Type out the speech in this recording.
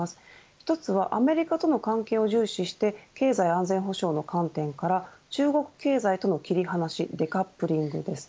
１つはアメリカとの関係を重視して経済安全保障の観点から中国経済との切り離しデカップリングです。